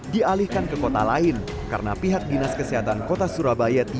dialihkan ke kota lain karena pihak dinas kesehatan kota surabaya